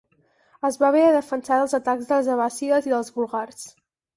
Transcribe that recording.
Es va haver de defensar dels atacs dels abbàssides i dels búlgars.